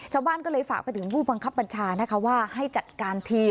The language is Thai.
ชาวบ้านก็เลยฝากไปถึงผู้บังคับบัญชานะคะว่าให้จัดการที